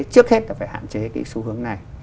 trước hết là phải hạn chế cái xu hướng này